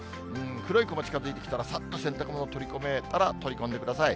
黒い雲、近づいてきたらさっと洗濯物を取り込めたら、取り込んでください。